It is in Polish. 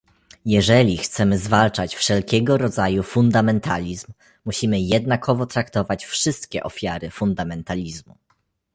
Jeżeli chcemy zwalczać wszelkiego rodzaju fundamentalizm, musimy jednakowo traktować wszystkie ofiary fundamentalizmu